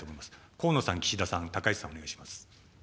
河野さん、岸田さん、高市さん、お願いします。